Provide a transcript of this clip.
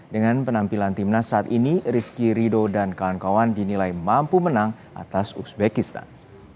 dengan penampilan timnas saat ini rizky rido dan kawan kawan dinilai mampu menang atas uzbekistan